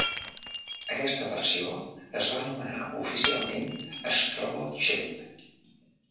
Aquesta versió es va anomenar oficialment "Strobo Trip".